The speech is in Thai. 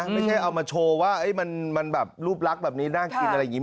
ไม่ใช่เอามาโชว์ว่ามันแบบรูปลักษณ์แบบนี้น่ากินอะไรอย่างนี้